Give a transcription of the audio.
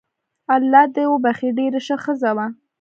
الله دي وبخښي ډیره شه ښځه وو